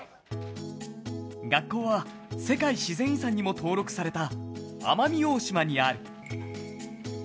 学校は、世界自然遺産にも登録された、奄美大島にある。